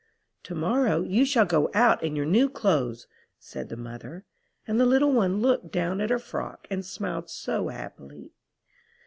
'Tomorrow you shall go out in your new clothes,' said the mother; and the little one looked down at her frock and smiled so happily.